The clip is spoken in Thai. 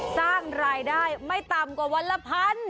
สร้างรายได้ไม่ต่ำกว่าวันละพัน